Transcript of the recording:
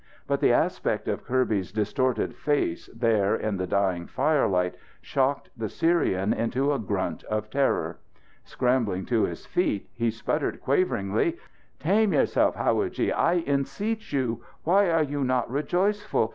But the aspect of Kirby's distorted face there in the dying firelight shocked the Syrian into a grunt of terror. Scrambling to his feet, he sputtered quaveringly. "Tame yourself, howadji, I enseech you! Why are you not rejoiceful?